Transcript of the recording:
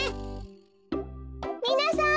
みなさん